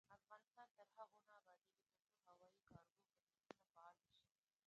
افغانستان تر هغو نه ابادیږي، ترڅو هوایي کارګو خدمتونه فعال نشي.